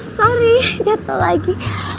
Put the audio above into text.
sorry jatuh lagi